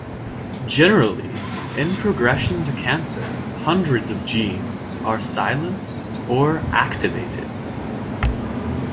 Generally, in progression to cancer, hundreds of genes are silenced or activated.